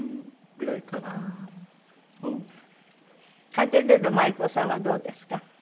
家庭での万由子さんはどうですか？